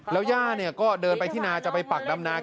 แล้วย่าก็เดินไปที่นาจะไปปักดำนา